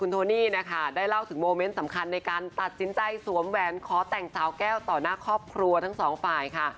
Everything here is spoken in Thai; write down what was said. โทนี่นะคะได้เล่าถึงโมเมนต์สำคัญในการตัดสินใจสวมแหวนขอแต่งสาวแก้วต่อหน้าครอบครัวทั้งสองฝ่ายค่ะ